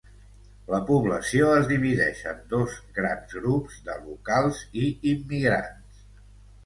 La població es divideix en dos grans grups de locals i immigrants.